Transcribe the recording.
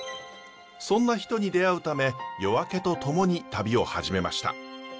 そんな人に出会うため夜明けとともに旅を始めました。